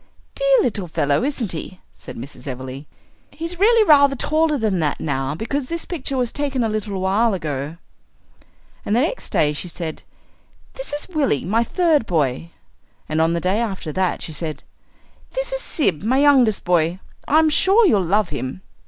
"Dear little fellow, isn't he?" said Mrs. Everleigh. "He's really rather taller than that now, because this picture was taken a little while ago." And the next day she said, "This is Willie, my third boy," and on the day after that she said, "This is Sib, my youngest boy; I'm sure you'll love him."